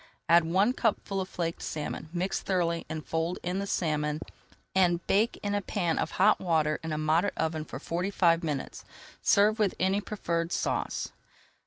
Add one cupful of flaked salmon, mix thoroughly, and fold in the salmon, and bake in a pan of hot water in a moderate oven for forty five minutes. Serve with any preferred sauce.